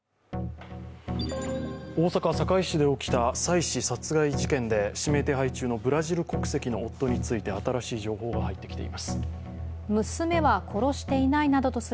大阪・堺市で起きた妻子殺害事件で指名手配中のブラジル国籍の夫について新しい情報が入ってきています。